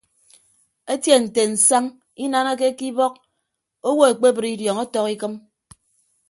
Etie nte nsañ inanake ke ibọk owo ekpebre idiọñ ọtọk ikịm.